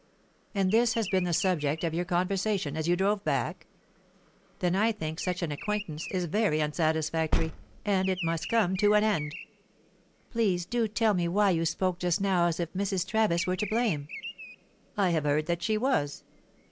"And this has been the subject of your conversation as you drove back? Then I think such an acquaintance is very unsatisfactory, and it must come to an end." "Please to tell me why you spoke just now as if Mrs. Travis were to blame." "I have heard that she was."